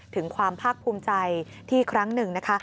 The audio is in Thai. ถึงความภาคภูมิใจที่ครั้งหนึ่งนะคะ